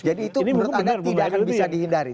jadi itu menurut anda tidak akan bisa dihindari